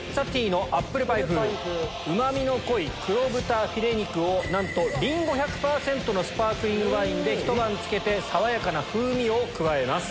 うまみの濃い黒豚ヒレ肉をなんとリンゴ１００％のスパークリングワインでひと晩漬けて爽やかな風味を加えます。